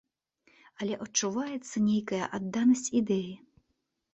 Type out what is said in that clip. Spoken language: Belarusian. Але адчуваецца нейкая адданасць ідэі.